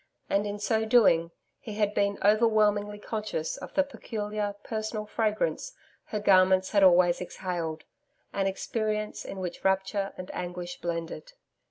And in so doing, he had been overwhelmingly conscious of the peculiar, personal fragrance, her garments had always exhaled an experience in which rapture and anguish blended.